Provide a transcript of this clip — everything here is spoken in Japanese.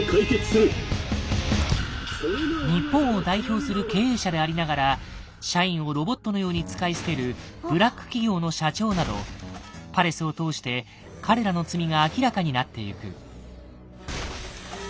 日本を代表する経営者でありながら社員をロボットのように使い捨てるブラック企業の社長などパレスを通して彼らの罪が明らかになってゆく。